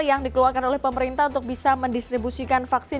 yang dikeluarkan oleh pemerintah untuk bisa mendistribusikan vaksin